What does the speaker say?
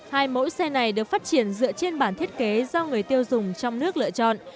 hai mẫu xe này được phát triển dựa trên bản thiết kế do người tiêu dùng trong nước lựa chọn